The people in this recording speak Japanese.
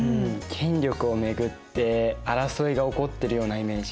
権力を巡って争いが起こってるようなイメージ。